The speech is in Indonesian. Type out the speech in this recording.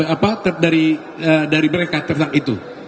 apa dari mereka tentang itu